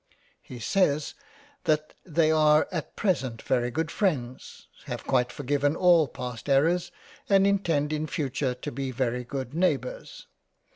He says, that they are at present very good Freinds, have quite forgiven all past errors and intend in future to be very good Neighbours.